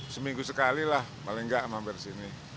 seminggu sekali lah paling gak hampir sini